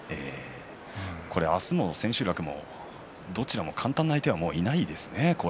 明日も千秋楽もどちらも簡単な相手がいませんね。